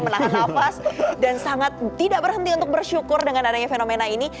menahan nafas dan sangat tidak berhenti untuk bersyukur dengan adanya fenomena ini